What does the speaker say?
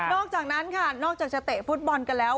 อกจากนั้นค่ะนอกจากจะเตะฟุตบอลกันแล้ว